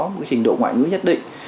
một cái trình độ ngoại ngữ nhất định